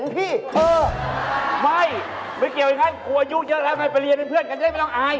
ไปเลียนเป็นเพื่อนกันได้ไม่ต้องอาย